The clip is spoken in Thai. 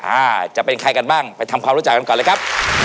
อ่าจะเป็นใครกันบ้างไปทำความรู้จักกันก่อนเลยครับ